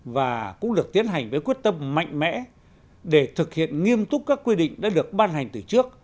và cũng được tiến hành với quyết tâm mạnh mẽ để thực hiện nghiêm túc các quy định đã được ban hành từ trước